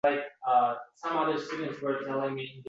Sayt bo‘ylab izlash